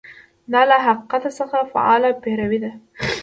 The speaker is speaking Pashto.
دا له حقیقت څخه فعاله پیروي ده.